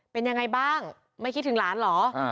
เป็นยังไงบ้างไม่คิดถึงหลานเหรอ